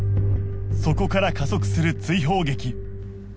そこから加速する追放劇